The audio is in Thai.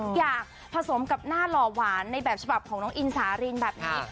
อยากผสมกับหน้าหล่อหวานในแบบฉบับของน้องอินสารินแบบนี้